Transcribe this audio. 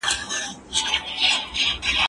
زه بايد شګه پاک کړم،